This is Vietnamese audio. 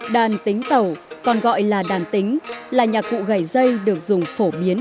đàn tính tẩu còn gọi là đàn tính là nhà cụ gãy dây được dùng phổ biến